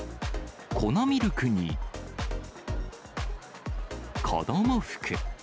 粉ミルクに、子ども服。